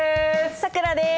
さくらです。